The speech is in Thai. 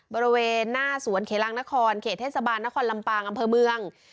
บริเวณหน้าสวนเขลังนครเขตเทศบาลนครลำปางอำเภอเมือง